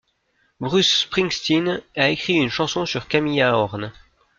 Bruce Springsteen a écrit une chanson sur Camilla Horn.